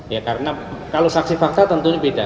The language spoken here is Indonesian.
ya karena kalau saksi fakta tentunya beda